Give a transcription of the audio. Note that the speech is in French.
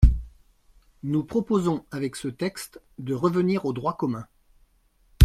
Nous proposons, avec ce texte, de revenir au droit commun.